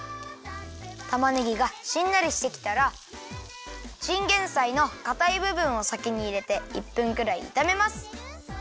たまねぎがしんなりしてきたらチンゲンサイのかたいぶぶんをさきにいれて１分ぐらいいためます。